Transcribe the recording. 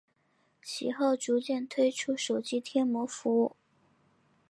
其后逐渐推出手机贴膜服务。